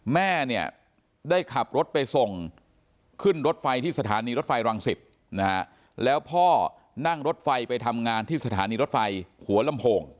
แม่เนี่ยได้ขับรถไปส่งขึ้นรถไฟที่สถานีรถไฟรังสิตนะฮะแล้วพ่อนั่งรถไฟไปทำงานที่สถานีรถไฟหัวลำโพง